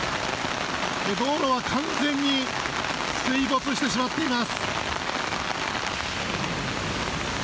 道路は完全に水没してしまっています。